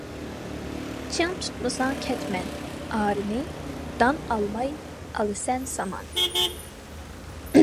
چىڭ تۇتمىساڭ كەتمەن، ئارىنى، دان ئالالماي، ئالىسەن سامان!